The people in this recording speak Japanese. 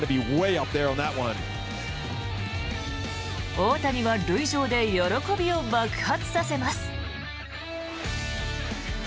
大谷は塁上で喜びを爆発させます。